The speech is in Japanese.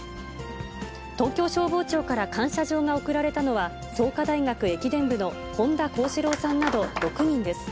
東京消防庁から感謝状が贈られたのは、創価大学駅伝部の本田晃士郎さんなど６人です。